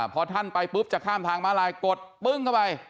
พอท่านไปปุ๊บจะข้ามทางม้าลายกดปึ้งเข้าไป